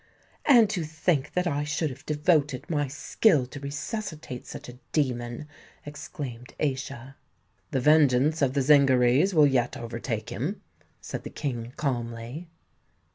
"And to think that I should have devoted my skill to resuscitate such a demon!" exclaimed Aischa. "The vengeance of the Zingarees will yet overtake him," said the King calmly.